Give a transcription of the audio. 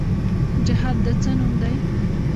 جهاد د څه نوم دی؟